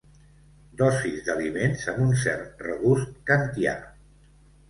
Dosis d'aliments amb un cert regust kantià.